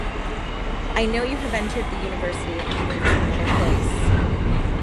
I know you have entered the university and moved to another place!